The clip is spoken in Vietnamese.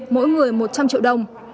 mỗi người một trăm linh triệu đồng